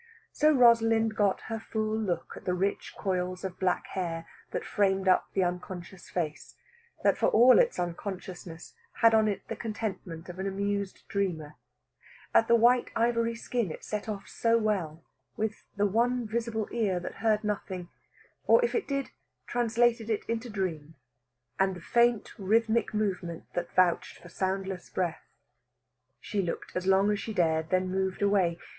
So Rosalind got her full look at the rich coils of black hair that framed up the unconscious face, that for all its unconsciousness had on it the contentment of an amused dreamer, at the white ivory skin it set off so well, at the one visible ear that heard nothing, or if it did, translated it into dream, and the faint rhythmic movement that vouched for soundless breath. She looked as long as she dared, then moved away.